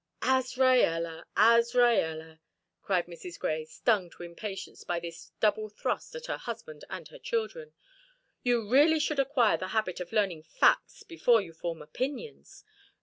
"Azraella, Azraella," cried Mrs. Grey, stung to impatience by this double thrust at her husband and her children. "You really should acquire the habit of learning facts before you form opinions.